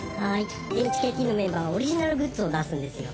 「ＨＫＴのメンバーはオリジナルグッズを出すんですよ」